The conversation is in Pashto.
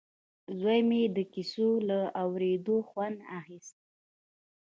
زوی مې د کیسو له اورېدو خوند اخیست